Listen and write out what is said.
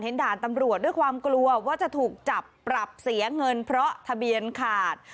ด่านตำรวจด้วยความกลัวว่าจะถูกจับปรับเสียเงินเพราะทะเบียนขาด